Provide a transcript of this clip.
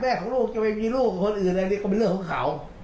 และเรื่องของผมก็ดูแลลูกของผม